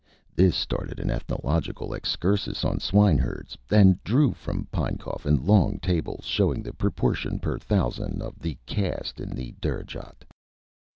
This started an ethnological excursus on swineherds, and drew from Pinecoffin long tables showing the proportion per thousand of the caste in the Derajat.